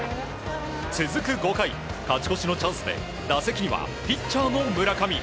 続く５回、勝ち越しのチャンスで打席にはピッチャーの村上。